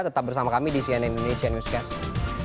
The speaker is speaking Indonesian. tetap bersama kami di cnn indonesia newscast